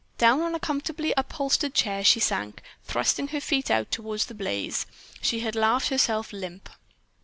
Down on a comfortably upholstered chair she sank, thrusting her feet out toward the blaze. She had laughed herself limp.